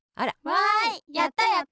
わいやったやった！